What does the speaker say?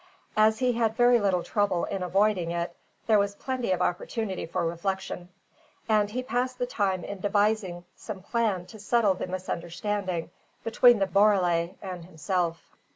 As he had very little trouble in avoiding it, there was plenty of opportunity for reflection; and he passed the time in devising some plan to settle the misunderstanding between the borele and himself.